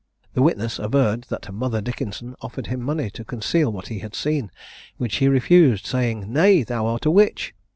The witness averred that Mother Dickenson offered him money to conceal what he had seen, which he refused, saying, 'Nay; thou art a witch!'